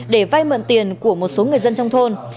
để vay mượn tiền của một số người dân trong thôn